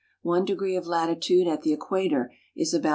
One degree of latitude at the equator is about 68.